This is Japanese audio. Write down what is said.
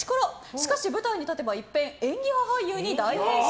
しかし舞台に立てば一変演技派俳優に大変身！